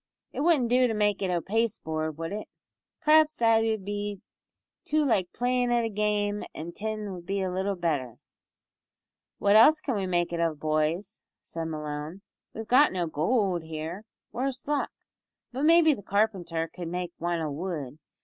"It wouldn't do to make it o' pasteboard, would it? P'r'aps that 'ud be too like playin' at a game, an' tin would be little better." "What else can we make it of, boys?" said Malone, "we've got no goold here worse luck! but maybe the carpenter cud make wan o' wood.